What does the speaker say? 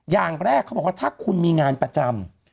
อย่างแรกเขาบอกว่าถ้าคุณมีงานประจำ